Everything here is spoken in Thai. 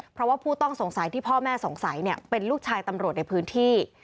เพราะว่าผู้ต้องสงสัยที่พ่อแม่สงสัยเป็นลูกชายตำรวจในพื้นที่